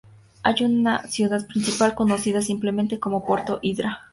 Hay una ciudad principal, conocida simplemente como "Puerto Hidra".